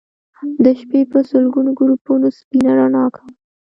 د شپې به سلګونو ګروپونو سپينه رڼا کوله